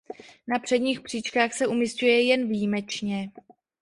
Na předních příčkách se umisťuje jen výjimečně.